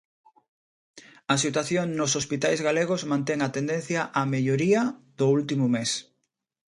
A situación nos hospitais galegos mantén a tendencia á melloría do último mes.